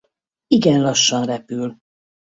Igen lassan repül.